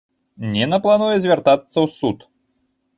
Ніна плануе звяртацца ў суд.